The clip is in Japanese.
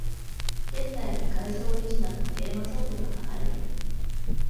店内に会社オリジナルのテーマソングが流れてる